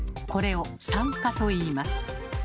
これを「酸化」といいます。